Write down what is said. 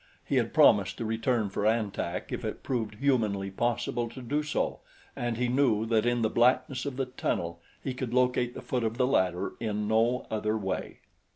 He had promised to return for An Tak if it proved humanly possible to do so, and he knew that in the blackness of the tunnel he could locate the foot of the ladder in no other way.